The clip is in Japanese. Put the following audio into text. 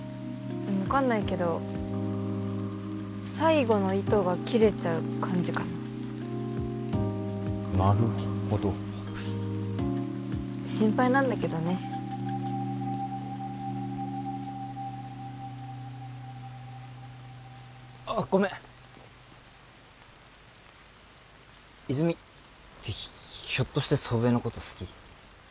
分かんないけど最後の糸が切れちゃう感じかななるほど心配なんだけどねああごめん泉ってひょっとして祖父江のこと好き？